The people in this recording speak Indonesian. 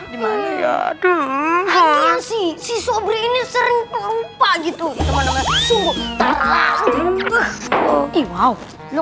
gimana ya dulu sih sobrini sering terlupa gitu